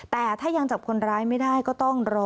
แต่ถ้ายังจับคนร้ายไม่ได้ก็ต้องรอ